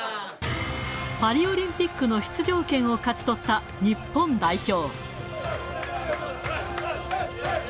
パリオリンピックの出場権を勝ち取った日本代表。